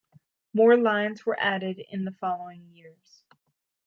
More lines were added in the following years.